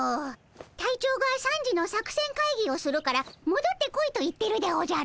隊長が３時の作戦会議をするからもどってこいと言ってるでおじゃる。